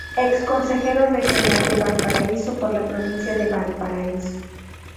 Ex consejero regional de Valparaíso por la Provincia de Valparaíso.